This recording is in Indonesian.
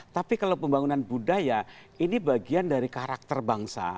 tapi kalau pembangunan budaya ini bagian dari karakter bangsa